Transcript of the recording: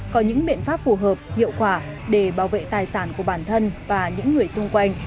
có những biện pháp phù hợp hiệu quả để bảo vệ tài sản của bản thân và những người xung quanh